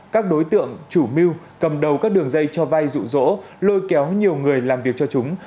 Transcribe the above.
các đối tượng chủ mưu cầm đầu các đường dây cho vay rụ rỗ lôi kéo nhiều người làm việc cho chúng